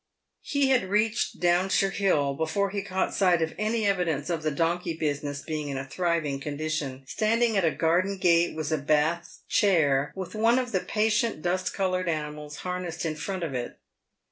He had reached Downshire Hill before he caught sight of any evi dence of the donkey business being in a thriving condition. Stand ing at a garden gate was a Bath chair, with one of the patient dust coloured animals harnessed in front of it.